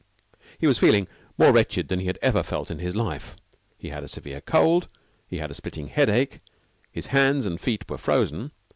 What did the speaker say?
He was feeling more wretched than he had ever felt in his life. He had a severe cold. He had a splitting headache. His hands and feet were frozen.